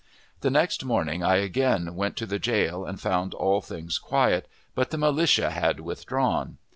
The next morning, I again went to the jail, and found all things quiet, but the militia had withdrawn.